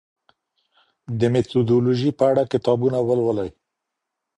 د میتودولوژي په اړه کتابونه ولولئ.